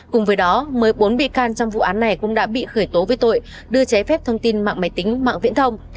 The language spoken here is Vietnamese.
cùng với đó mới bốn bị can trong vụ án này cũng đã bị khởi tố với tội đưa cháy phép thông tin mạng máy tính mạng viễn thông